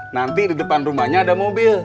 nanti di depan rumahnya ada mobil